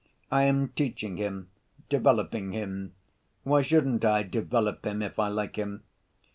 I am teaching him, developing him. Why shouldn't I develop him if I like him?